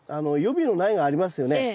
予備の苗がありますよね。